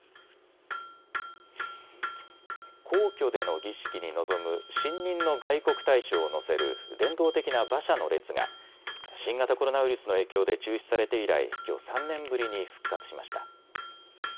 皇居での儀式に臨む新任の外国大使を乗せる伝統的な馬車の列が新型コロナウイルスの影響で中止されて以来、きょう３年ぶりに復活しました。